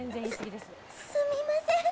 すみません。